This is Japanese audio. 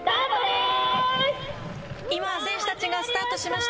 今、選手たちがスタートしました。